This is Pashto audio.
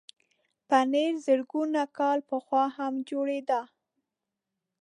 پنېر زرګونه کاله پخوا هم جوړېده.